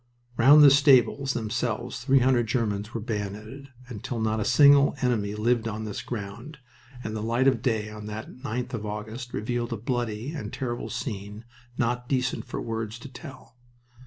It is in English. Round the stables themselves three hundred Germans were bayoneted, until not a single enemy lived on this ground, and the light of day on that 9th of August revealed a bloody and terrible scene, not decent for words to tell.